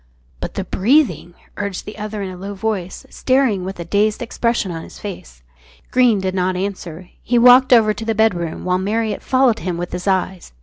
"But the breathing?" urged the other in a low voice, staring with a dazed expression on his face. Greene did not answer. He walked over to the bedroom, while Marriott followed him with his eyes.